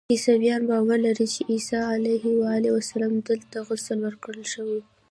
عیسویان باور لري چې عیسی علیه السلام ته دلته غسل ورکړل شوی.